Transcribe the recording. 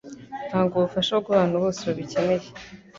Tanga ubufasha kubantu bose babikeneye.